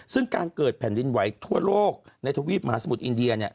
ซึ่งการเกิดแผ่นดินไหวทั่วโลกในทวีปมหาสมุทรอินเดียเนี่ย